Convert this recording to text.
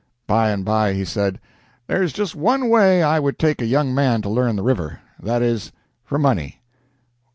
By and by he said "There is just one way I would take a young man to learn the river that is, for money."